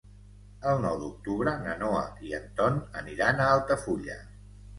El nou d'octubre na Noa i en Ton aniran a Altafulla.